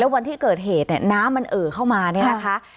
วันที่เกิดเหตุเนี่ยน้ำมันเอ่อเข้ามาเนี่ยนะคะ